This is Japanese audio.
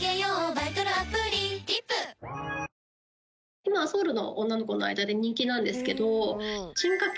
今ソウルの女の子の間で人気なんですけど進化系